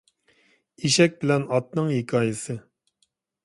ئېشەك بىلەن ئاتنىڭ ھېكايىسى